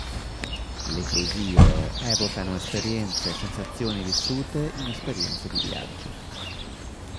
Le Poesie evocano esperienze e sensazioni vissute in esperienze di viaggio.